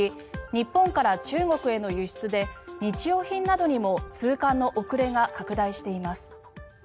日本から中国への輸出で日用品などにも通関の遅れが拡大しています。